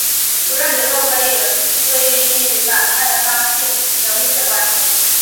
弧状结构可以归因于板块的刚性和岛弧的尖端与下沉岩石圈的裂缝有密切关系。